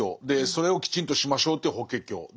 でそれをきちんとしましょうという「法華経」。